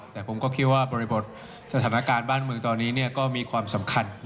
แต่ผมก็คิดว่าบริบทสถานการณ์บ้านเมืองตอนนี้ก็มีความสำคัญ